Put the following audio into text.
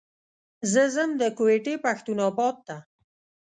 زه ځم د کوتي پښتون اباد ته.